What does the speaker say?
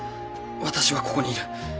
私はここにいる。